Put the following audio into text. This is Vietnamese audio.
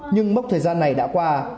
nhưng mốc thời gian này đã qua